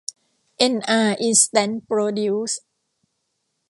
เอ็นอาร์ อินสแตนท์ โปรดิวซ์